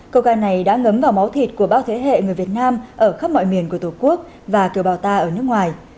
câu ca này đã ngấm vào máu thịt của bao thế hệ người việt nam ở khắp mọi miền của tổ quốc và kiều bào ta ở nước ngoài